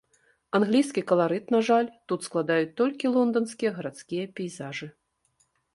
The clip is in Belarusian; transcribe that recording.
Англійскі каларыт, на жаль, тут складаюць толькі лонданскія гарадскія пейзажы.